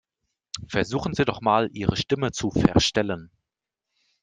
Versuchen Sie doch mal, Ihre Stimme zu verstellen.